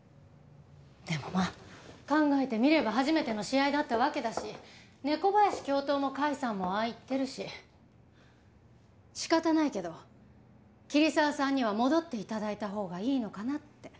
でもまあ考えてみれば初めての試合だったわけだし猫林教頭も甲斐さんもああ言ってるし仕方ないけど桐沢さんには戻って頂いたほうがいいのかなって。